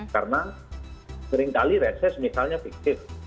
karena seringkali reses misalnya fiksif